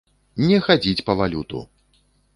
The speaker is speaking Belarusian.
Не хадзіць па валюту!